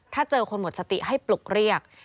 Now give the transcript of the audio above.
ถ้าเจอคนหมดสติให้ปลุกเรียก